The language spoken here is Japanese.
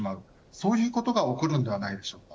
そういうことが起こるんではないでしょうか。